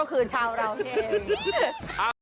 ก็คือชาวเราเอง